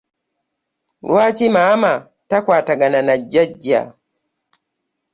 Lwaki maama takwatagana na jjajja?